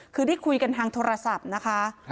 คือได้คุยกันทางโทรศัพท์นะคะ